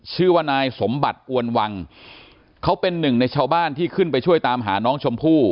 ชื่อว่านายสมบัติอวนวังเขาเป็นหนึ่งในชาวบ้านที่ขึ้นไปช่วยตามหาน้องชมพู่